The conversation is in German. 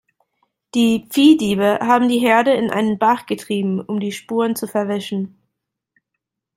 Die Viehdiebe haben die Herde in einen Bach getrieben, um die Spuren zu verwischen.